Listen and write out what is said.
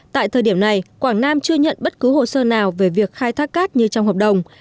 tại thời điểm này quảng nam chưa nhận bất cứ hồ sơ nào về việc khai thác cát như trong hợp đồng